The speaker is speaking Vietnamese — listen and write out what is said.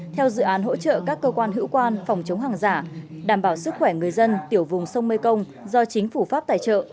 theo dự án hỗ trợ các cơ quan hữu quan phòng chống hàng giả đảm bảo sức khỏe người dân tiểu vùng sông mekong do chính phủ pháp tài trợ